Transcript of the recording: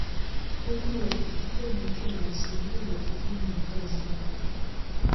huku wakipigwa butwaa wasijue la kufanya wakazi hao